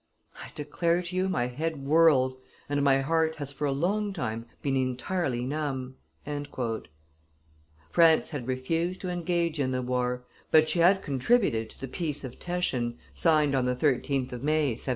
I declare to you, my head whirls and my heart has for a long time been entirely numb." France had refused to engage in the war, but she had contributed to the peace of Teschen, signed on the 13th of May, 1779.